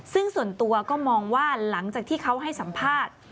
ซึ่งส่วนตัวก็มองว่าหลังจากที่เขาให้สัมภาษณ์